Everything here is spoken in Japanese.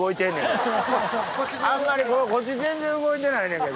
あんまりこっち全然動いてないねんけど。